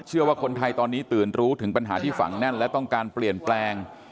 เชื่อว่าคนไทยตอนนี้ตื่นรู้ถึงปัญหาที่ฝังแน่นและต้องการเปลี่ยนแปลง